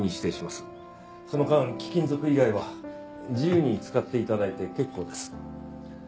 その間貴金属以外は自由に使って頂いて結構です。